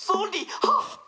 「はっ！